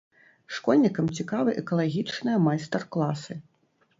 Школьнікам цікавы экалагічныя майстар-класы.